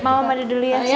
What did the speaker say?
mama mandi dulu ya